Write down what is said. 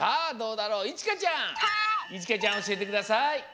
いちかちゃんおしえてください。